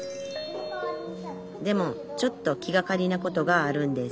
でもちょっと気がかりなことがあるんです